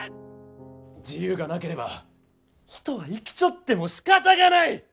自由がなければ人は生きちょってもしかたがない！